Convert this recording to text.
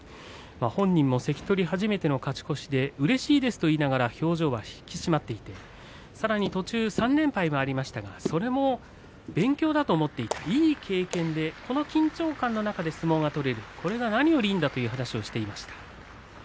本人も関取初めての勝ち越しでうれしいですと言いながら表情は引き締まっていて、さらに途中で３連敗がありましたがそれも勉強だと思っていい経験でこの緊張感の中で相撲が取れるこれは何よりだという話をしていました。